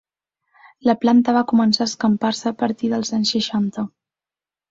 La planta va començar a escampar-se a partir dels anys seixanta.